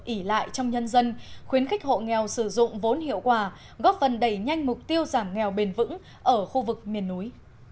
ỉ lại trong nhân dân khuyến khích hộ nghèo sử dụng vốn hiệu quả góp phần đẩy nhanh mục tiêu giảm nghèo bền vững ở khu vực miền núi